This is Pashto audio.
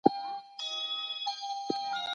دا کلا د ډېرو جګړو او خوشحالیو شاهده پاتې شوې ده.